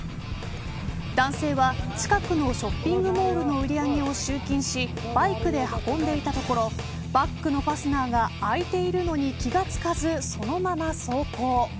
男性は近くのショッピングモールの売り上げを集金しバイクで運んでいたところバッグのファスナーが開いているのに気が付かずそのまま走行。